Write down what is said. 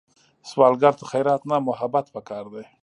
سوالګر ته خیرات نه، محبت پکار دی